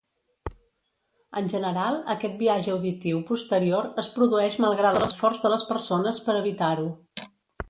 En general, aquest biaix auditiu posterior es produeix malgrat l'esforç de les persones per evitar-ho.